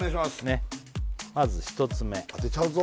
ねっまず１つ目当てちゃうぞ